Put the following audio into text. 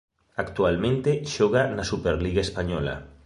Actualmente xoga na Superliga Española.